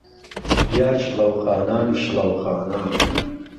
یار شڵهو خانان، شڵهو خانان